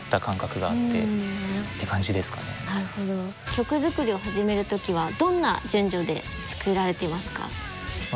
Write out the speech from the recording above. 曲作りを始める時はどんな順序で作られていますか？